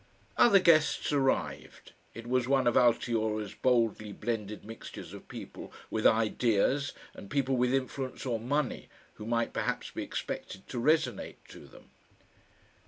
Other guests arrived it was one of Altiora's boldly blended mixtures of people with ideas and people with influence or money who might perhaps be expected to resonate to them.